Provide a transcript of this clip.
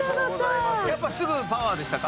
やっぱ「パワー！」でしたか？